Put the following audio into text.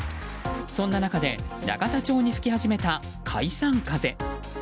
そんな中で永田町に吹き始めた解散風。